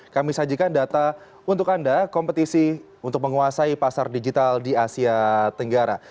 kami sajikan data untuk anda kompetisi untuk menguasai pasar digital di asia tenggara